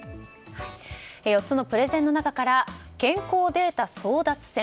４つのプレゼンの中から健康データ争奪戦